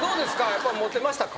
やっぱりモテましたか？